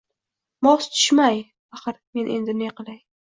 Mos tushmay… Axir men endi ne qilay?